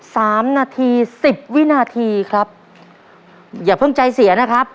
สามนาทีสิบวินาทีครับอย่าเพิ่งใจเสียนะครับ